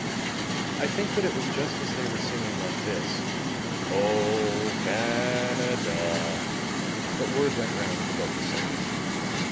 I think that it was just as they were singing like this: "O Can a da," that word went round that the boat was sinking.